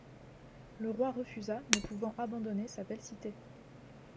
Le roi refusa, ne pouvant abandonner sa belle cité.